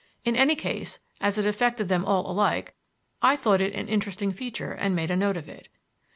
In any case, as it affected them all alike, I thought it an interesting feature and made a note of it.